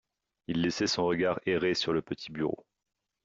Il laissait son regard errer sur le petit bureau.